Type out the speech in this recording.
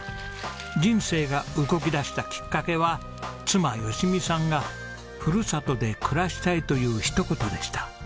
人生が動き出したきっかけは妻淑美さんが「ふるさとで暮らしたい」と言うひと言でした。